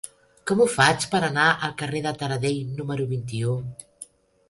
Com ho faig per anar al carrer de Taradell número vint-i-u?